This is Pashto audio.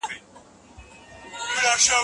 آیا هلمند د هېواد په اقتصادي وده کي برخه لري؟